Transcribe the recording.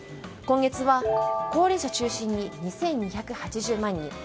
今月は、高齢者中心に２２８０万人。